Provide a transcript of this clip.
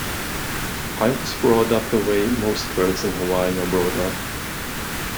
I was brought up the way most girls in Hawaii are brought up.